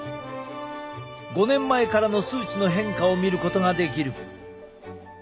５年前からの数値の変化を見ることができる。